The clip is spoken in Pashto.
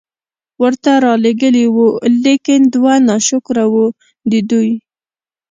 ورته را ليږلي وو، ليکن دوی ناشکره وو، د دوی